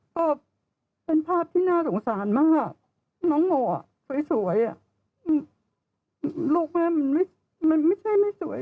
ก็เป็นภาพที่น่าสงสารมากน้องโมอ่ะสวยลูกแม่มันไม่ใช่ไม่สวย